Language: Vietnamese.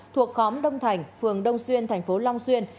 thuộc khóm đông thành phường đông xuyên thành phố long xuyên